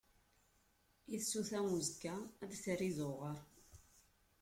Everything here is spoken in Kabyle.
i tsuta uzekka, ad terr izuɣaṛ.